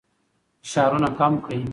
فشارونه کم کړئ.